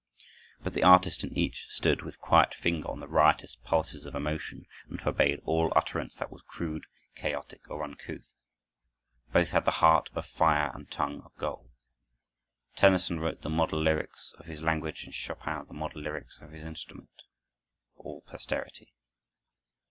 But the artist in each stood with quiet finger on the riotous pulses of emotion, and forbade all utterance that was crude, chaotic, or uncouth. Both had the heart of fire and tongue of gold. Tennyson wrote the model lyrics of his language and Chopin the model lyrics of his instrument, for all posterity.